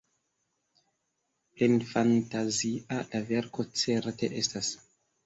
Plenfantazia la verko certe estas.